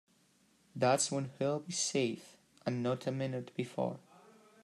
That's when he'll be safe and not a minute before.